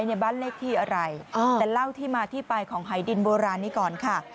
ในบ้านเลขที่อะไรแต่เล่าที่มาที่ไปของหายดินโบราณนี้ก่อนค่ะ